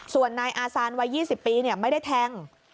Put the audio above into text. ส่วนนายอาซานวัย๒๐ปีไม่ได้แทง